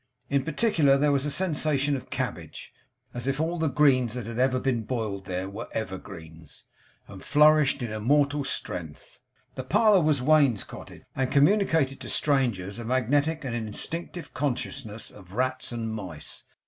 In particular, there was a sensation of cabbage; as if all the greens that had ever been boiled there, were evergreens, and flourished in immortal strength. The parlour was wainscoted, and communicated to strangers a magnetic and instinctive consciousness of rats and mice.